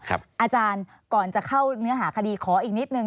อาจารย์ก่อนจะเข้าเนื้อหาคดีขออีกนิดนึง